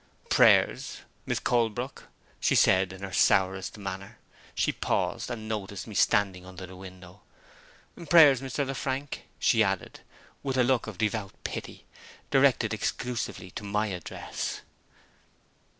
"Prayers, Miss Colebrook," she said in her sourest manner. She paused, and noticed me standing under the window. "Prayers, Mr. Lefrank," she added, with a look of devout pity, directed exclusively to my address.